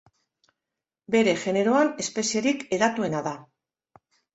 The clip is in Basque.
Bere generoan espezierik hedatuena da.